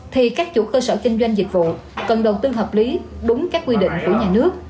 thì các chủ cơ sở kinh doanh dịch vụ cần đầu tư hợp lý đúng các quy định của nhà nước